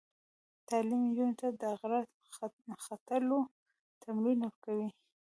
تعلیم نجونو ته د غره ختلو تمرین ورکوي.